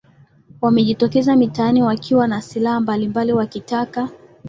wamejitokeza mitaani wakiwa na silaha mbalimbali wakitaka